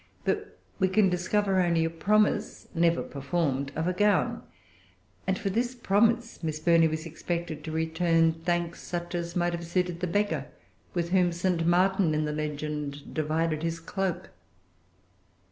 But we can discover only a promise, never performed, of a gown; and for this promise Miss Burney was expected to return thanks, such as might have suited the beggar with whom St. Martin, in the legend, divided his cloak.